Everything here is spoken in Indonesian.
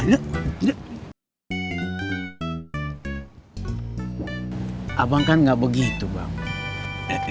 abang kan nggak begitu bang